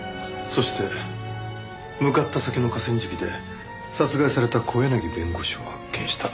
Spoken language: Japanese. そして向かった先の河川敷で殺害された小柳弁護士を発見した。